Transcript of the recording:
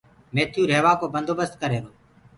ميٿيو ريهوآ ڪو بندوبست ڪرريهرو هي